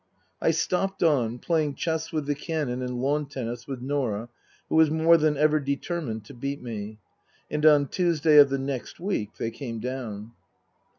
I stopped on, playing chess with the Canon and lawn tennis with Norah who was more than ever determined to beat me. And on Tuesday of the next week they came down.